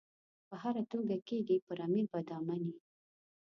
په هره توګه کېږي پر امیر به دا مني.